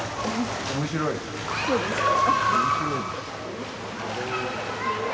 そうですか。